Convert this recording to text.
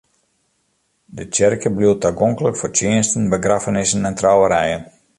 De tsjerke bliuwt tagonklik foar tsjinsten, begraffenissen en trouwerijen.